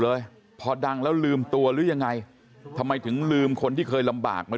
เลยพอดังแล้วลืมตัวหรือยังไงทำไมถึงลืมคนที่เคยลำบากมา